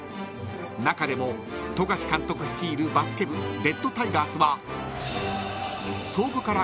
［中でも富樫監督率いるバスケ部レッドタイガースは］